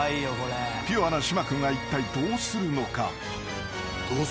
［ピュアな島君はいったいどうするのか？］